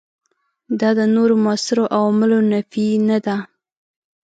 دا د نورو موثرو عواملونو نفي نه ده.